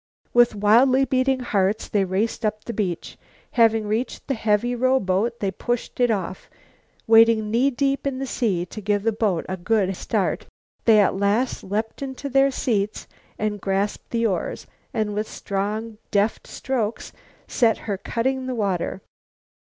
With wildly beating hearts they raced up the beach. Having reached the heavy rowboat they pushed it off. Wading knee deep in the sea to give the boat a good start, they at last leaped to their seats and grasped the oars, and with strong, deft, strokes set her cutting the water.